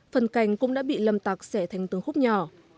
phần cành cũng đã bị lầm tặc xẻ thành tướng khúc nhỏ